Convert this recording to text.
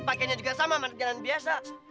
pakainya juga sama anak jalanan biasa